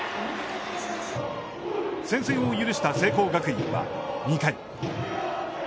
先制を許した聖光学院は２回。